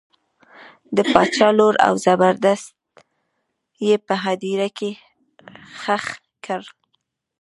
د باچا لور او زبردست یې په هدیره کې ښخ کړل.